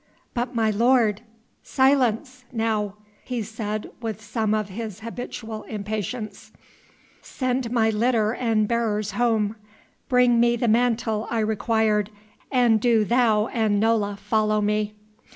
"But my lord " "Silence now," he said with some of his habitual impatience; "send my litter and bearers home; bring me the mantle I required, and do thou and Nola follow me."